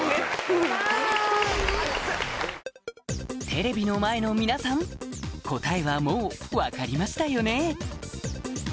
テレビの前の皆さん答えはもう分かりましたよね？